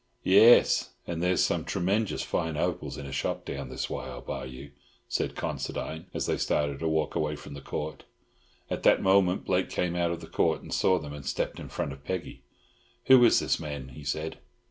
"Yes, and there's some tremenjus fine opals in a shop down this way I'll buy you!" said Considine, as they started to walk away from the Court. At that moment Blake came out of Court, saw them, and stepped in front of Peggy. "Who is this man?" he said.